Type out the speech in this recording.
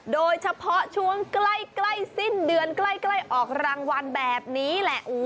โดยเฉพาะช่วงใกล้สิ้นเดือนใกล้ออกรางวัลแบบนี้แหละ